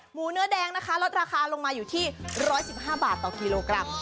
หมูเนื้อแดงนะคะลดราคาลงมาอยู่ที่ร้อยสิบห้าบาทต่อกิโลกรัม